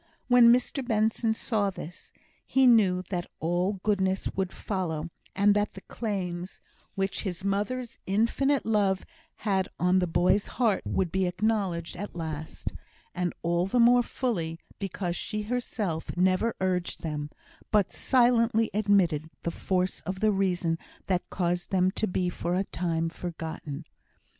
When Mr Benson saw this, he knew that all goodness would follow, and that the claims which his mother's infinite love had on the boy's heart would be acknowledged at last, and all the more fully because she herself never urged them, but silently admitted the force of the reason that caused them to be for a time forgotten.